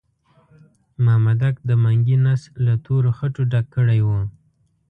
مامدک د منګي نس له تورو خټو ډک کړی وو.